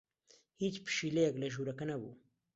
هیچ پشیلەیەک لە ژوورەکە نەبوو.